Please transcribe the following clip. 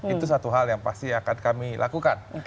itu satu hal yang pasti akan kami lakukan